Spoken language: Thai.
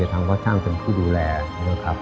กับทางว่าช่างเป็นผู้ดูแลเนี่ยครับ